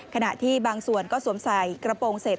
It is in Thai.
ขณะที่บางส่วนก็สวมใส่กระโปรงเสร็จ